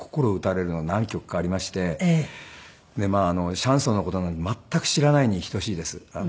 シャンソンの事なんて全く知らないに等しいです